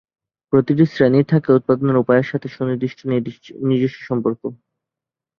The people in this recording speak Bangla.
প্রতিটি শ্রেণির থাকে উৎপাদনের উপায়ের সংগে সুনির্দিষ্ট নিজস্ব সম্পর্ক।